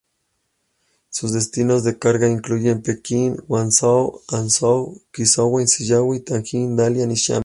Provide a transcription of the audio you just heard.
Sus destinos de carga incluyen Pekín, Guangzhou, Hangzhou, Qingdao, Shenyang, Tianjin, Dalian y Xiamen.